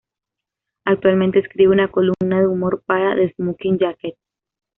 Actualmente escribe una columna de humor para "The Smoking Jacket.